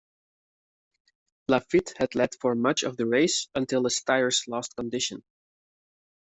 Laffite had led for much of the race until his tyres lost condition.